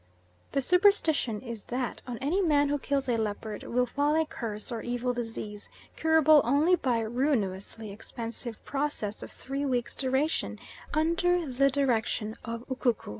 "The superstition is that on any man who kills a leopard will fall a curse or evil disease, curable only by ruinously expensive process of three weeks' duration under the direction of Ukuku.